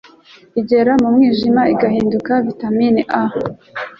igera mu mwijima igahinduka vitamine A,